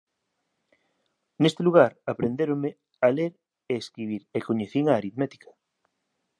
Neste lugar aprendéronme a ler e escribir e coñecín a aritmética